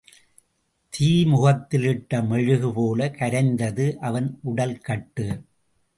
தீமுகத்தில் இட்ட மெழுகு போலக் கரைந்தது அவன் உடல்கட்டு.